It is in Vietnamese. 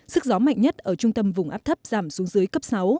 sức gió mạnh nhất ở trung tâm vùng áp thấp giảm xuống dưới cấp sáu